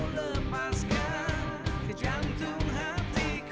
dua sana cepetan masuk